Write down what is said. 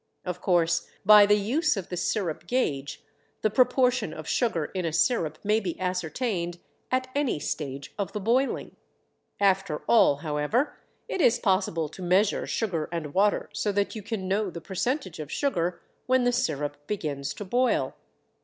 Of course by the use of the sirup gauge the proportion of sugar in a sirup may be ascertained at any stage of the boiling. After all, however, it is possible to measure sugar and water so that you can know the percentage of sugar when the sirup begins to boil.